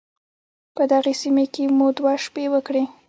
په دغې سيمې کې مو دوه شپې وکړې.